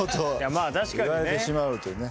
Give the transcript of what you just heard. まあ確かにね。言われてしまうというね。